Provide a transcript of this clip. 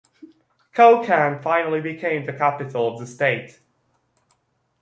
Kokand finally became the capital of the state.